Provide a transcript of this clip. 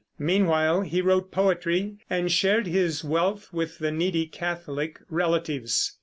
Meanwhile he wrote poetry and shared his wealth with needy Catholic relatives.